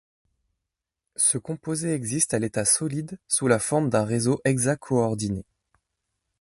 Ce composé existe à l'état solide sous la forme d'un réseau hexacoordiné.